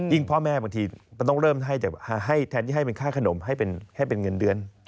พ่อแม่บางทีมันต้องเริ่มให้แทนที่ให้เป็นค่าขนมให้เป็นเงินเดือน